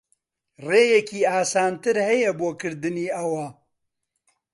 ڕێیەکی ئاسانتر ھەیە بۆ کردنی ئەوە.